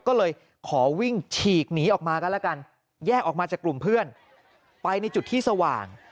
ก็เลยขอวิ่งฉีกหนีออกมากันแล้วกันแยกออกมาจากกลุ่มเพื่อนไปในจุดที่สว่าง